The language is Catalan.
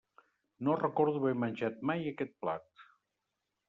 No recordo haver menjat mai aquest plat.